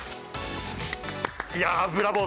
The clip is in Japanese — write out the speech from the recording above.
いやあ、ブラボー！